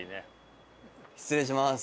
失礼します。